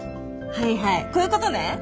はいはいこういうことね。